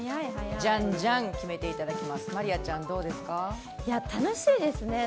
じゃんじゃん決めていただきます楽しいですね。